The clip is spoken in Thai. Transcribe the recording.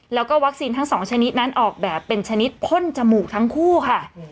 แล้วก็วัคซีนทั้งสองชนิดนั้นออกแบบเป็นชนิดพ่นจมูกทั้งคู่ค่ะ